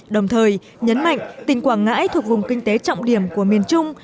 đồng thời nhấn mạnh tỉnh quảng ngãi thuộc vùng kinh tế trọng điểm của miền trung